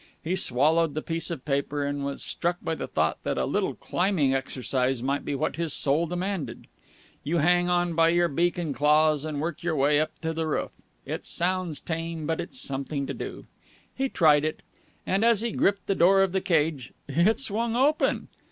He swallowed the piece of paper, and was struck by the thought that a little climbing exercise might be what his soul demanded. (You hang on by your beak and claws and work your way up to the roof. It sounds tame, but it's something to do.) He tried it. And, as he gripped the door of the cage it swung open.